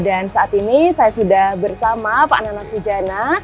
dan saat ini saya sudah bersama pak nana sujana